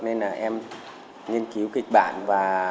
nên là em nghiên cứu kịch bản và hợp tác